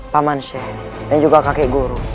pak mansyek dan juga kakek guru